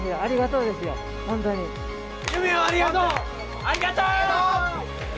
日本、ありがとう。